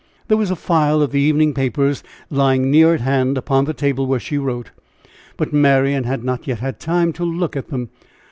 There was a file of the evening papers lying near at hand upon the table where she wrote, but Marian had not yet had time to look at them.